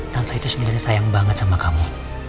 tante itu sebenernya sayang banget sama kamu